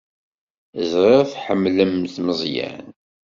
Ẓriɣ tḥemmlemt Meẓyan.